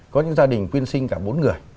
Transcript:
có những gia đình quyên sinh cả bốn người